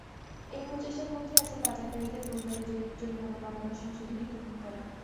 এই প্রচেষ্টার মধ্যে আছে পাচারকারীদের ফৌজদারি জরিমানা বাড়ানোর সংশোধনী গ্রহণ করা।